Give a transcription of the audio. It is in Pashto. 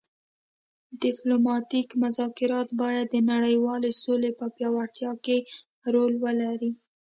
ډیپلوماتیک مذاکرات باید د نړیوالې سولې په پیاوړتیا کې رول ولري